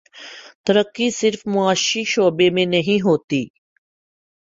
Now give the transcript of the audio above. ترقی صرف معاشی شعبے میں نہیں ہوتی۔